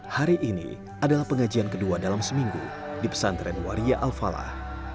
hari ini adalah pengajian kedua dalam seminggu di pesantren waria al falah